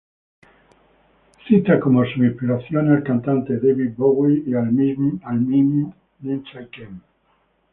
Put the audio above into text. Cita como sus inspiraciones al cantante David Bowie y al mimo Lindsay Kemp.